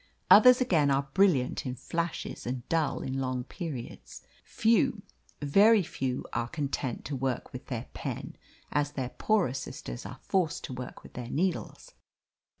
Others again are brilliant in flashes and dull in long periods. Few, very few are content to work with their pen as their poorer sisters are forced to work with their needles.